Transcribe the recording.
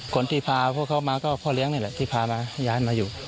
คนที่พาพวกเขามาก็พ่อเลี้ยงนี่แหละที่พามาย้ายมาอยู่